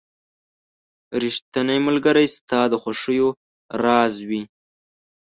• ریښتینی ملګری ستا د خوښیو راز وي.